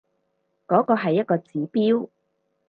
嗰個係一個指標